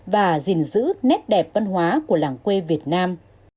và gìn giữ nét đẹp văn hóa của làng quê việt nam